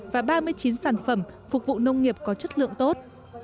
và ba mươi chín sản phẩm phục vụ nông nghiệp có chất lượng tốt